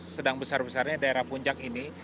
sedang besar besarnya daerah puncak ini